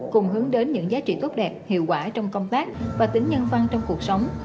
cùng hướng đến những giá trị tốt đẹp hiệu quả trong công tác và tính nhân văn trong cuộc sống